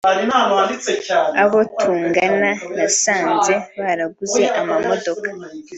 Abo tungana nasanze baraguze amamodoka